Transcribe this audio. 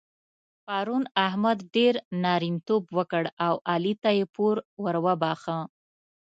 پرون احمد ډېر نارینتوب وکړ او علي ته يې پور ور وباښه.